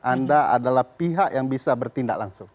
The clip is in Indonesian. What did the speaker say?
anda adalah pihak yang bisa bertindak langsung